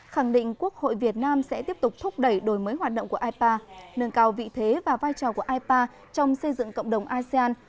khẳng định quốc hội việt nam sẽ tiếp tục thúc đẩy đổi mới hoạt động của ipa nâng cao vị thế và vai trò của ipa trong xây dựng cộng đồng asean